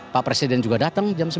pak presiden juga datang jam sembilan